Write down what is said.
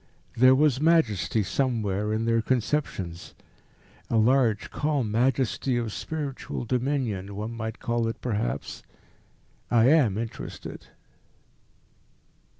There was majesty somewhere in their conceptions a large, calm majesty of spiritual dominion, one might call it perhaps. I am interested."